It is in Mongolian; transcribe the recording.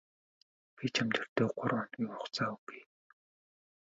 Би чамд ердөө гурав хоногийн хугацаа өгье.